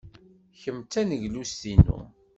Kemm d taneglust-inu.